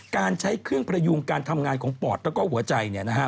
การใช้เครื่องพยุงการทำงานของปอดแล้วก็หัวใจ